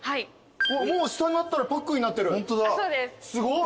もう下になったらパックになってるすごい。